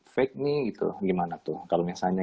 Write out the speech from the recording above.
fake nih gitu gimana tuh kalau misalnya